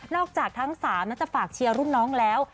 จากทั้ง๓จะฝากเชียร์รุ่นน้องแล้ว